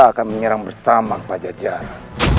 kita akan menyerang bersama pada jalan